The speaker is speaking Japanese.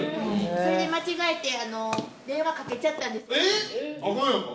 それで間違えて、電話かけちえー、あかんやん。